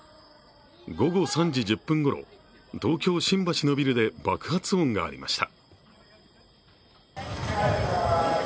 午後３時１０分ごろ、東京・新橋のビルで爆発音がありました。